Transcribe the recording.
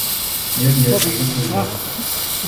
Нет, нет, сойтись нельзя.